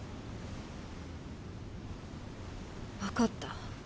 わかった。